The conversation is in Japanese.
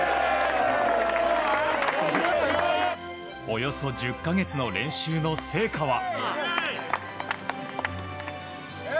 およそ１０か月の練習の成果は。